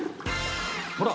ほら。